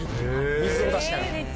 水を出しながら。